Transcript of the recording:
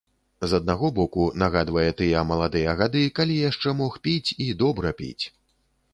З аднаго боку, нагадвае тыя маладыя гады, калі яшчэ мог піць, і добра піць.